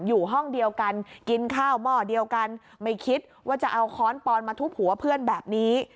อยู่ห้องเดียวกันกินข้าวหม้อเดียวกันไม่คิดว่าจะเอาค้อนปอนมาทุบหัวเพื่อนแบบนี้